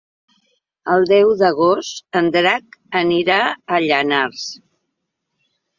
El deu d'agost en Drac anirà a Llanars.